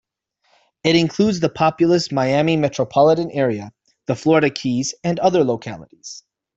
It includes the populous Miami metropolitan area, the Florida Keys, and other localities.